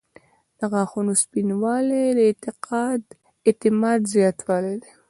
• د غاښونو سپینوالی د اعتماد زیاتوالی دی.